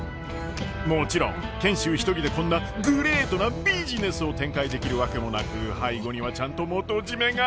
もちろん賢秀一人でこんなグレイトなビジネスを展開できるわけもなく背後にはちゃんと元締めが。